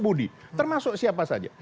budi termasuk siapa saja